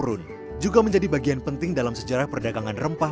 turun juga menjadi bagian penting dalam sejarah perdagangan rempah